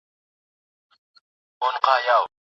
زکات د دغې ناروغۍ درمل دی.